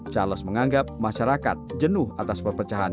charles menganggap masyarakat jenuh atas perpecahan